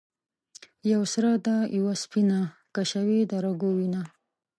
یوه سره ده یوه سپینه ـ کشوي د رګو وینه